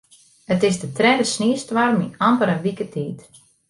It is de tredde sniestoarm yn amper in wike tiid.